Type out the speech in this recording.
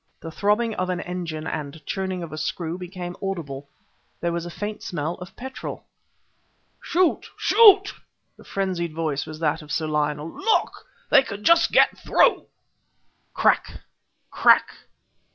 The throbbing of an engine and churning of a screw became audible. There was a faint smell of petrol. "Shoot! shoot!" the frenzied voice was that of Sir Lionel "Look! they can just get through! ..." _Crack! Crack!